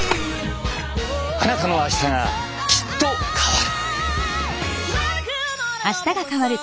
あなたの明日がきっと変わる。